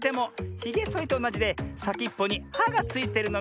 ひげそりとおなじでさきっぽにはがついてるのミズよ。